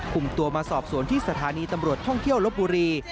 กลุ่มตัวมาสอบสวนที่สถานีตำรวจท่องเที่ยวลบบุรี